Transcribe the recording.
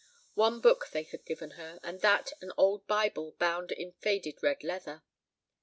One book they had given her, and that an old Bible bound in faded red leather.